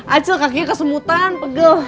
acil kakinya kesemutan pegel